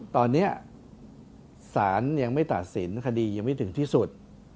ตอนนี้ศาลยังไม่ตัดสินคดียังไม่ถึงที่สุด